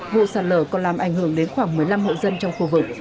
vụ sạt lở còn làm ảnh hưởng đến khoảng một mươi năm hộ dân trong khu vực